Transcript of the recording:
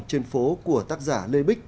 trên phố của tác giả lê bích